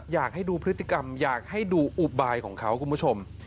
อยากให้ดูพฤติกรรมอยากให้ดูอุบายของเขาคุณผู้ชม